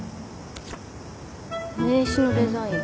名刺のデザイン